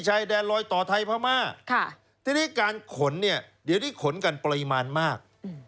ชายแดนลอยต่อไทยพม่าทีนี้การขนเนี่ยเดี๋ยวนี้ขนกันปริมาณมาก